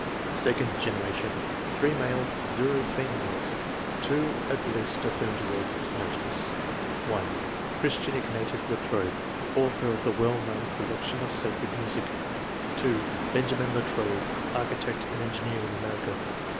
Second generation, — 3 males, females ; 2 at least of whom deserve notice: — (1) Christian Ignatius Latrobe, author of the well known col lection of sacred music; (2) Benjamin Latrobe, architect and engineer in America.